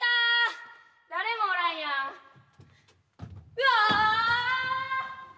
うわ！